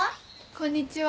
こんにちは。